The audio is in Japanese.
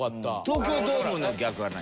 東京ドームの逆は何？